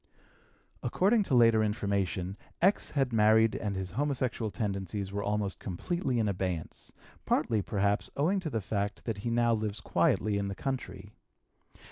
According to later information X. had married and his homosexual tendencies were almost completely in abeyance, partly, perhaps, owing to the fact that he now lives quietly in the country.